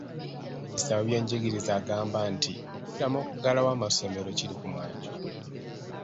Minisita w'ebyenjigiriza yagamba nti okuddamu okuggulawo amasomero kiri ku mwanjo.